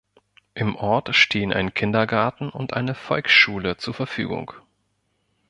Im Ort stehen ein Kindergarten und eine Volksschule zur Verfügung.